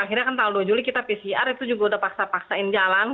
akhirnya kan tanggal dua juli kita pcr itu juga udah paksa paksain jalan